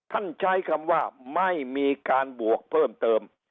ใช้คำว่าไม่มีการบวกเพิ่มเติม